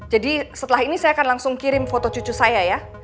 jadi setelah ini saya akan langsung kirim foto cucu saya ya